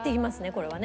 これはね。